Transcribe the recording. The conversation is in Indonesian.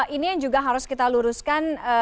ini yang juga harus kita luruskan